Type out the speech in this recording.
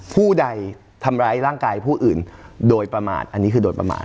ผู้ใดทำร้ายร่างกายผู้อื่นโดยประมาทอันนี้คือโดนประมาท